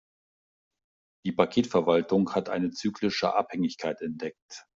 Die Paketverwaltung hat eine zyklische Abhängigkeit entdeckt.